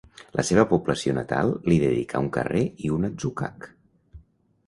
La seva població natal li dedicà un carrer i un atzucac.